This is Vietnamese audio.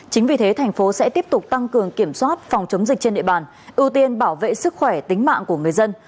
chính vì thế thành phố sẽ tiếp tục tăng cường kiểm soát phòng chống dịch trên địa bàn ưu tiên bảo vệ sức khỏe tính mạng của người dân